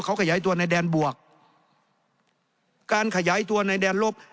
เขาขยายตัวในแดนบวกการขยายตัวในแดนลบ